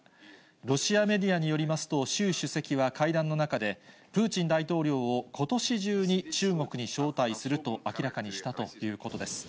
ロシアメディアによりますと習主席は会談の中で、プーチン大統領をことし中に、中国に招待すると明らかにしたということです。